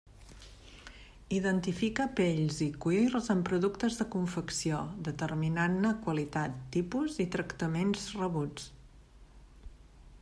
Identifica pells i cuirs en productes de confecció, determinant-ne qualitat, tipus i tractaments rebuts.